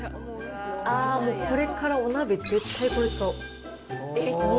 あー、これからお鍋、絶対これ使おう。